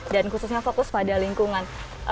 dan khususnya fokus pada lingkungan